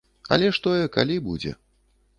Але ж тое калі будзе.